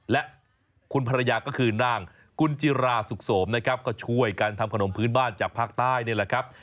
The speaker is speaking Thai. และคุณภรรยาก็คือนางกุญจิราสุขโสมนะครับก็ช่วยกันทำขนมพื้นบ้านจากภาคใต้นี่แหละครับ